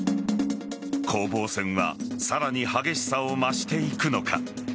攻防戦はさらに激しさを増していくのか。